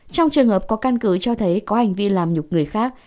trong trường hợp có căn cứ cho thấy có hành vi làm nhục người khác